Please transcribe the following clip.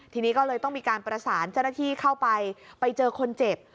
ทีนี้ก็เลยต้องมีการประสานเจ้าหน้าที่เข้าไปไปเจอคนเจ็บ